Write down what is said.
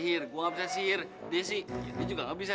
sampai jumpa di video selanjutnya